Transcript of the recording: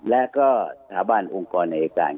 และก็ทะวันองค์กรนายการ